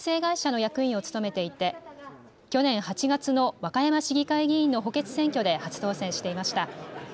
人材育成会社の役員を務めていて去年８月の和歌山市議会議員の補欠選挙で初当選していました。